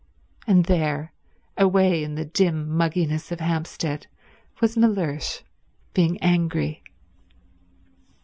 And there, away in the dim mugginess of Hampstead, was Mellersh being angry.